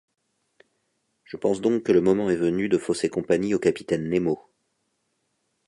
Je pense donc que le moment est venu de fausser compagnie au capitaine Nemo.